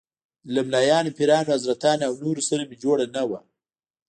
له ملايانو، پیرانو، حضرتانو او نورو سره مې جوړه نه وه.